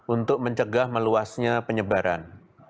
untuk mencegah meluasnya penyebaran